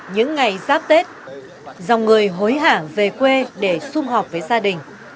những ngày giáp tết dòng người hối hả về quê để xung họp với gia đình